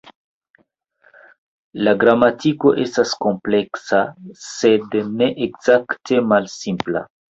La gramatiko estas kompleksa, sed ne ekzakte malsimpla.